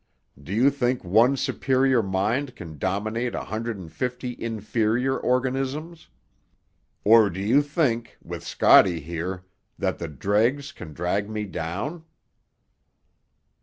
Do you think one superior mind can dominate a hundred and fifty inferior organisms? Or do you think, with Scotty here, that the dregs can drag me down?"